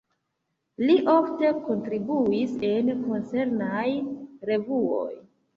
Li ofte kontribuis en koncernaj revuoj.